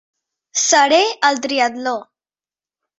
Seré al triatló.